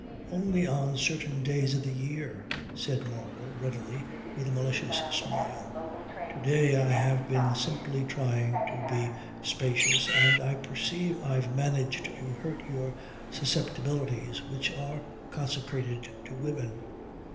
"Only on certain days of the year," said Marlow readily with a malicious smile. "To day I have been simply trying to be spacious and I perceive I've managed to hurt your susceptibilities which are consecrated to women.